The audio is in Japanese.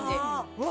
うわ